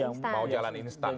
yang mau jalan instan